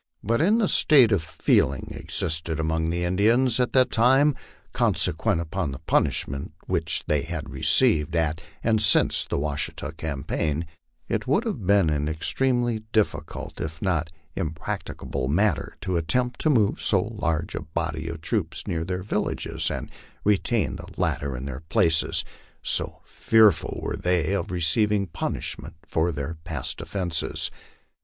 But in the state of feeling existing among those Indians at that time, consequent upon the punishment which they had received at and since the Wa shita campaign, it would have been an extremely difficult if not impractica ble matter to attempt to move so large a body of troops near their villages, and retain the latter in their places, so fearful were they of receiving punish ment for their past offences.